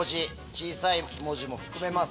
小さい文字も含めます。